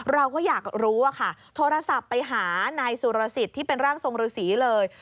เราก็อยากรู้อะค่ะโทรศัพท์ไปหานายสุรสิทธิ์ที่เป็นร่างทรงฤษีเลย